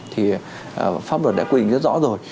thì pháp luật đã quyết định rất rõ rồi